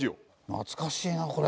懐かしいなこれ。